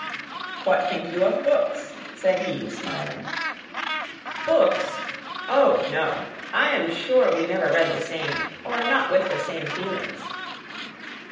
"What think you of books?" said he, smiling. "Books oh no! I am sure we never read the same, or not with the same feelings."